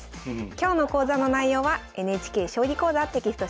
今日の講座の内容はＮＨＫ「将棋講座」テキスト